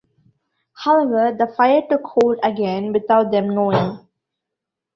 However, the fire took hold again without them knowing.